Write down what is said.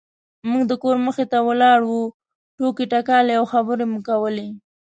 موږ د کور مخې ته ولاړې وو ټوکې ټکالې او خبرې مو کولې.